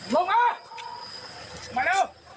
ลงมา